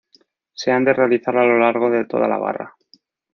Se han de realizar a lo largo de toda la barra.